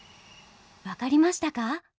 分かりましたか？